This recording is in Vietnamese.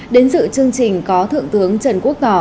đến dự chương trình có thượng tướng trần quốc tỏ